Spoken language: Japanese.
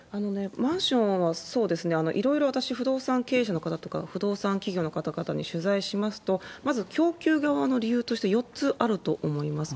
マンションは、いろいろ私、不動産経営者の方とか、不動産企業の方々に取材しますと、まず、供給側の理由として４つあると思います。